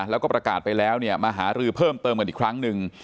แล้วก็ประกาศไปแล้วเนี่ยมาหารือเพิ่มเติมกันอีกครั้งหนึ่ง